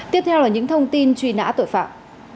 tiếp theo là những thông tin truy nã tội phạm